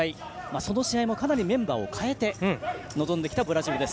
その試合もかなりメンバーを代えて臨んできたブラジルです。